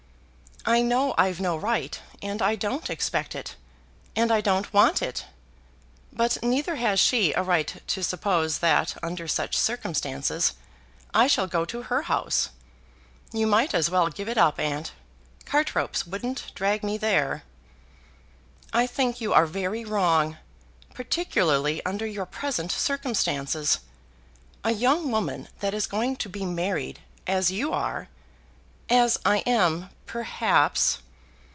"I know I've no right, and I don't expect it, and I don't want it. But neither has she a right to suppose that, under such circumstances, I shall go to her house. You might as well give it up, aunt. Cart ropes wouldn't drag me there." "I think you are very wrong, particularly under your present circumstances. A young woman that is going to be married, as you are " "As I am, perhaps."